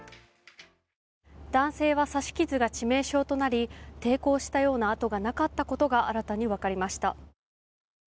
男性は刺し傷が致命傷となり抵抗したような痕がなかったことが新たにわかりました。